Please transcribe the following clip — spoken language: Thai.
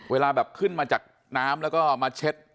เวลาแบบขึ้นมาจากน้ำแล้วก็มาเช็ด